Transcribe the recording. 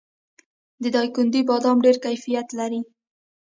د دایکنډي بادام ډیر کیفیت لري.